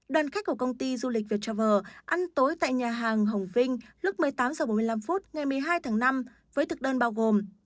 đoàn khách của công ty du lịch viettravel ăn tối tại nhà hàng hồng vinh lúc một mươi tám h bốn mươi năm ngày một mươi hai tháng năm với thực đơn bao gồm